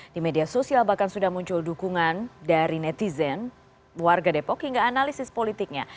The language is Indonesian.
di media sosial bahkan sudah muncul dukungan dari netizen warga depok hingga analisis politiknya